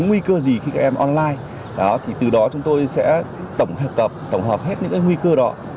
nguy cơ gì khi các em online từ đó chúng tôi sẽ tổng hợp tổng hợp hết những nguy cơ đó